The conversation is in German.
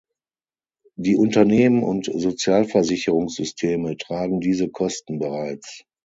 Die Unternehmen und Sozialversicherungssysteme tragen diese Kosten bereits.